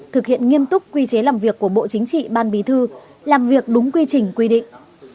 thực hiện nghiêm túc quy chế làm việc của bộ chính trị ban bí thư làm việc đúng quy trình quy định